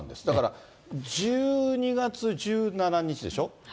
だから１２月１７日でしょ。